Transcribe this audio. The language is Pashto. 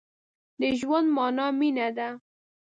د ژوند مانا مينه ده.